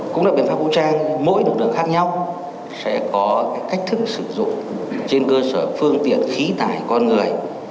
cũng là biện pháp vũ trang mỗi lực lượng khác nhau sẽ có cách thức sử dụng trên cơ sở phương tiện khí tải con người